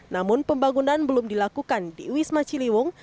namun pembangunan belum dilakukan di wisma ciliwung